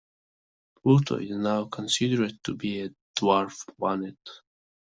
Pluto is now considered to be a dwarf planet